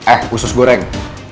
eh susu goreng